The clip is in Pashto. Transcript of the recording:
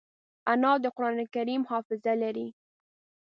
انا د قرانکریم حافظه لري